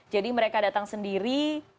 jadi mereka datang sendiri